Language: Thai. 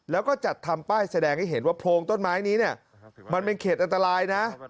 แล้วก็จัดทำป้ายแสดงให้เห็นว่าโพรงต้นไม้นี้เนี่ยมันเป็นเขตอันตรายนะ